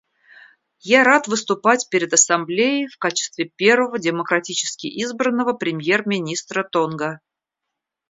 Я рад выступать перед Ассамблеей в качестве первого демократически избранного премьер-министра Тонга.